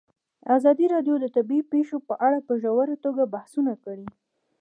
ازادي راډیو د طبیعي پېښې په اړه په ژوره توګه بحثونه کړي.